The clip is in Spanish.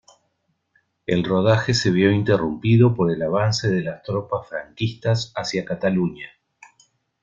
El rodaje se vio interrumpido por el avance de las tropas franquistas hacia Cataluña.